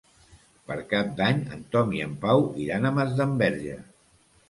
Per Cap d'Any en Tom i en Pau iran a Masdenverge.